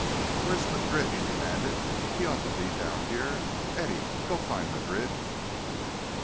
"Where's Madrid?" he demanded. "He ought to be down here. Eddie, go find Madrid."